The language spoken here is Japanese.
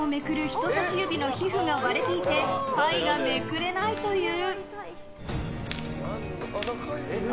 人さし指の皮膚が割れていて牌がめくれないという。